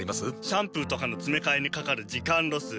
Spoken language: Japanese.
シャンプーとかのつめかえにかかる時間ロス。